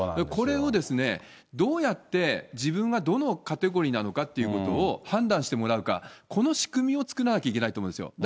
これをどうやって自分はどのカテゴリーなのかということを判断してもらうか、この仕組みを作らなきゃいけないと思うんですよ。